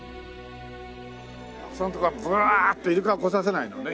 あそこのとこはブワーッとイルカは来させないのね？